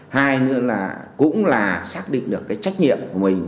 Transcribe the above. hai nữa là cũng là xác định được cái trách nhiệm của mình